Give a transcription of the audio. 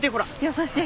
優しい。